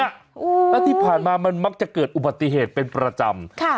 แล้วที่ผ่านมามันมักจะเกิดอุบัติเหตุเป็นประจำ